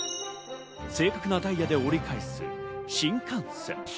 正確なダイヤで折り返す新幹線。